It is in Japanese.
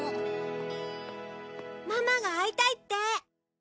ママが会いたいって！